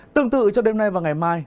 tương tự cho đêm nay và ngày mai